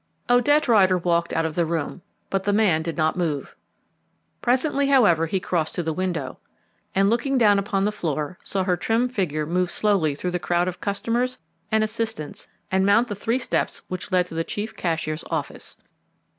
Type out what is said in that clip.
Odette Rider walked out of the room, but the man did not move. Presently, however, he crossed to the window and, looking down upon the floor, saw her trim figure move slowly through the crowd of customers and assistants and mount the three steps which led to the chief cashier's office.